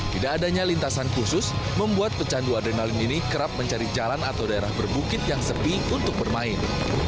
tidak adanya lintasan khusus membuat pecandu adrenalin ini kerap mencari jalan atau daerah berbukit yang sepi untuk bermain